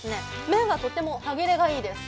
麺はとっても歯切れがいいです。